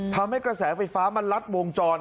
ทำให้กระแสไฟฟ้ามันลัดวงจร